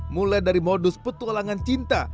mulai dari modus petualangan cinta